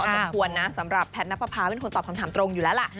สมควรนะสำหรับแพทย์นับประพาเป็นคนตอบคำถามตรงอยู่แล้วล่ะ